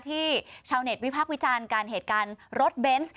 ที่ชาวเน็ตวิพักวิจารณ์การเป็นเหตุการณ์รถเบนส์